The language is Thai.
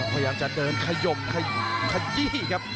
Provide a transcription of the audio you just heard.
พยายามจะเดินขยมขยี้ครับ